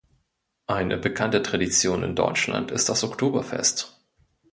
Eine bekannte Tradition in Deutschland ist das Oktoberfest.